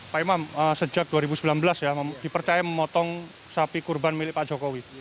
pak imam sejak dua ribu sembilan belas ya dipercaya memotong sapi kurban milik pak jokowi